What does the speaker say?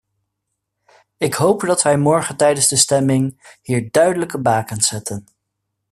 Ik hoop dat wij morgen tijdens de stemming hier duidelijke bakens zetten.